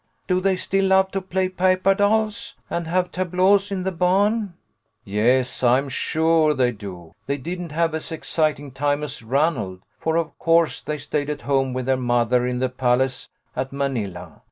" Do they still love to play papah dolls and have tableaux in the barn ?" "Yes, I am sure they do. They didn't have as exciting a time as Ranald, for of course they stayed at home with their mother in the palace at Manila.